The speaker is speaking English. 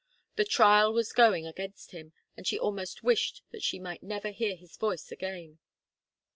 The trial was going against him, and she almost wished that she might never hear his voice again.